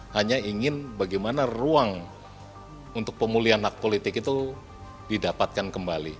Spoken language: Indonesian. hanya ingin bagaimana ruang untuk pemulihan hak politik itu didapatkan kembali